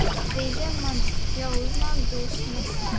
Brīžiem man jau uznāk dusmas.